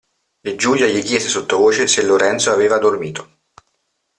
E Giulia gli chiese sottovoce se Lorenzo aveva dormito.